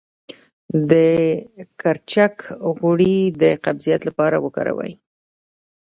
د کرچک غوړي د قبضیت لپاره وکاروئ